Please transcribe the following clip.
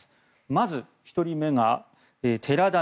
まず１人目が寺田稔